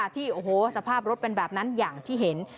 ที่โอ้โหสภาพรถเป็นแบบนั้นอย่างที่เห็น